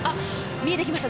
見えてきました。